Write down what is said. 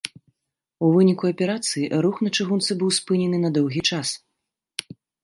У выніку аперацыі рух на чыгунцы быў спынены на доўгі час.